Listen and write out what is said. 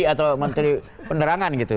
atau menteri penerangan gitu